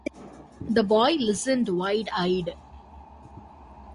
The boy listened wide-eyed.